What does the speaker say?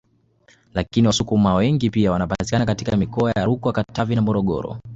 Lakini Wasukuma wengi pia wanapatikana katika mikoa ya Rukwa Katavi na Morogoro